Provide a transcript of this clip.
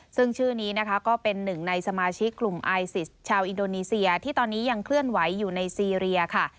ซึ่งชื่อนี้นะคะก็เป็นหนึ่งในสมาชิกกลุ่มไอซิสชาวอินโดนีเซียที่ตอนนี้ยังเคลื่อนไหวอยู่ในซีเรียค่ะ